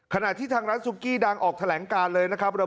ขณะที่ทางร้านซุกี้ดังออกแถลงการเลยนะครับ